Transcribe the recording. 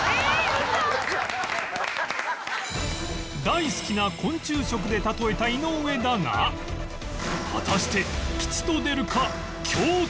大好きな昆虫食で例えた井上だが果たして